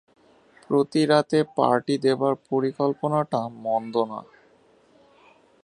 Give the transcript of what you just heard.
প্রতিরাতে party দেবার পরিকল্পনাটা মন্দ না।